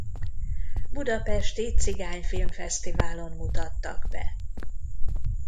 Budapesti Cigány Filmfesztiválon mutattak be.